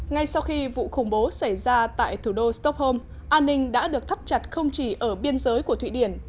ngay sau khi vụ khủng bố xảy ra tại thủ đô stockholm an ninh đã được thắt chặt không chỉ ở biên giới của thụy điển